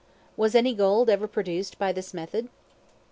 Was any gold ever produced by this method?